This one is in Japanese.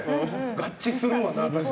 合致するわな。